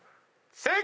正解！